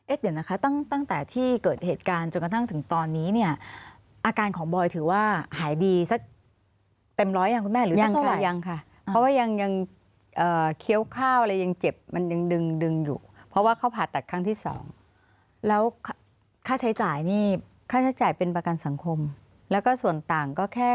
เดี๋ยวนะคะตั้งแต่ที่เกิดเหตุการณ์จนกระทั่งถึงตอนนี้เนี่ยอาการของบอยถือว่าหายดีสักเต็มร้อยยังคุณแม่หรือยังค่ะยังค่ะเพราะว่ายังยังเคี้ยวข้าวอะไรยังเจ็บมันยังดึงดึงอยู่เพราะว่าเขาผ่าตัดครั้งที่สองแล้วค่าใช้จ่ายนี่ค่าใช้จ่ายเป็นประกันสังคมแล้วก็ส่วนต่างก็แค่